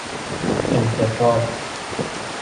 اِلتفات